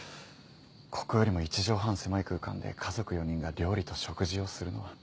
ここよりも１畳半狭い空間で家族４人が料理と食事をするのは。